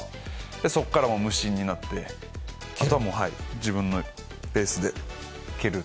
そこからもう無心になって、あとはもう、自分のペースで蹴る。